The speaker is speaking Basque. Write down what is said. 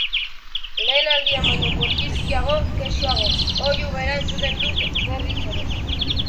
Lehen aldian baino bortizkiago, kexuago, oihu bera entzuten dut berriz ere.